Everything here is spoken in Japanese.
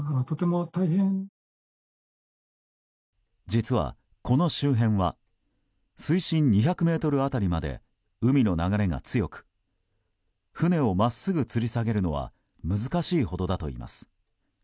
実はこの周辺は水深２００ｍ辺りまで海の流れが強く船を真っすぐつり下げるのは難しいほどだといいます。